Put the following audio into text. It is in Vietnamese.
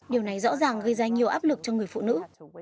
điều này rõ ràng gây ra nhiều áp lực cho người phụ nữ